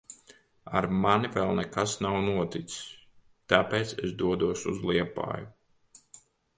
Ar mani vēl nekas nav noticis. Tāpēc es dodos uz Liepāju.